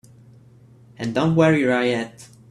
And don't wear your high hat!